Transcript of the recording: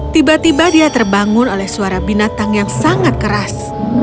tiba tiba dia terbangun oleh suara binatang yang sangat keras